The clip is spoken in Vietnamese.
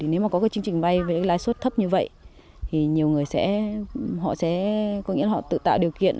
nếu có chương trình vay với lãi suất thấp như vậy thì nhiều người sẽ tự tạo điều kiện